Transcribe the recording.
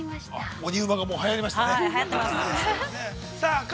鬼ウマ！が、もうはやりましたね。